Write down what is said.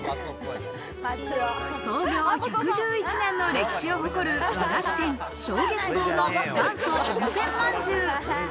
創業１１１年の歴史を誇る和菓子店・勝月堂の元祖温泉まんじゅう。